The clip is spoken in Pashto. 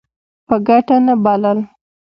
په ګټه نه بلل.